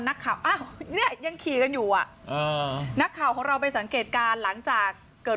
นักข่าวยังขี่กันอยู่นักข่าวของเราไปสังเกตการหลังจากเกิด